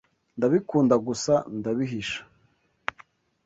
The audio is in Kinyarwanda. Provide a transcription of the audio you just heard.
Ndabikunda gusa ndabihisha.